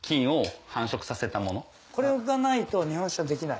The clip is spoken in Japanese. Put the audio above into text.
これがないと日本酒はできない？